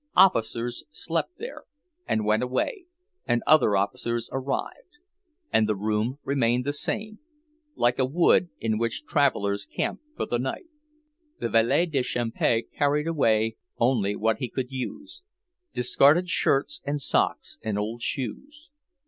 Officers slept there, and went away, and other officers arrived, and the room remained the same, like a wood in which travellers camp for the night. The valet de chambre carried away only what he could use; discarded shirts and socks and old shoes.